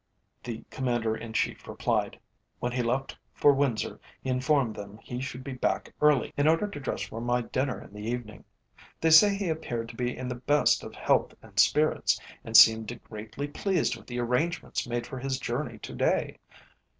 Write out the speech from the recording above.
the Commander in Chief replied. "When he left for Windsor he informed them he should be back early, in order to dress for my dinner in the evening. They say he appeared to be in the best of health and spirits, and seemed greatly pleased with the arrangements made for his journey to day.